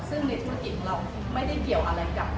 ซึ่งในธุรกิจเราไม่ได้เกี่ยวอะไรกับ